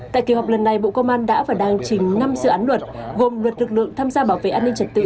tại kỳ họp lần này bộ công an đã và đang trình năm dự án luật gồm luật lực lượng tham gia bảo vệ an ninh trật tự